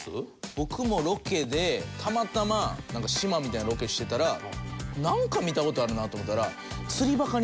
僕もロケでたまたま島みたいなロケしてたらなんか見た事あるなと思ったら。